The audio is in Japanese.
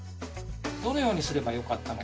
どのようにすればよかったのか。